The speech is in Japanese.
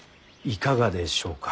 いかがでしょうか。